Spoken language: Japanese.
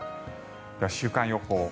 では、週間予報。